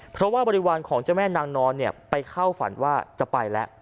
เพราะว่าบริวารของเจ้าแม่นางนอนไปเข้าฝันว่าจะไปแล้ว